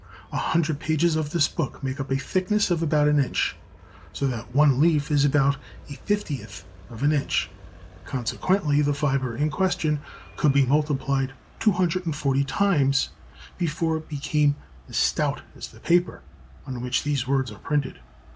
A hundred pages of this book make up a thickness of about an inch, so that one leaf is about a fiftieth of an inch. Consequently the fibre in question could be multiplied 240 times before it became as stout as the paper on which these words are printed.